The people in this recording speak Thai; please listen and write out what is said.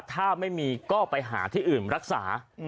ถ้าไม่มีก็ไปหาที่อื่นรักษา